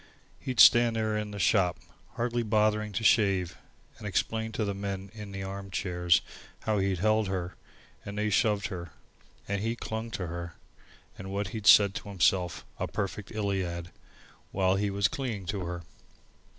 He'd stand there in the shop, hardly bothering to shave, and explain to the men in the arm chairs how he held her, and they shoved her, and he clung to her, and what he'd said to himself a perfect Iliad while he was clinging to her.